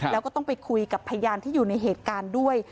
แล้วก็ต้องไปคุยกับพยานที่อยู่ในเหตุการณ์ด้วย